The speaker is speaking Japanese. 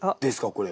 これ。